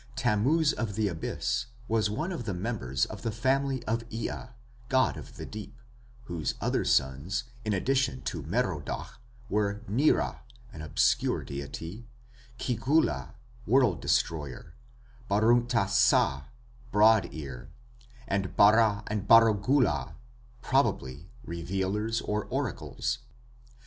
"Tammuz of the Abyss" was one of the members of the family of Ea, god of the Deep, whose other sons, in addition to Merodach, were Nira, an obscure deity; Ki gulla, "world destroyer", Burnunta sa, "broad ear", and Bara and Baragulla, probably "revealers" or "oracles".